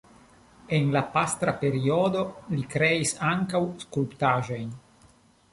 En la pastra periodo li kreis ankaŭ skulptaĵojn.